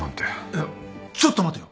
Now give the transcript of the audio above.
いやちょっと待てよ。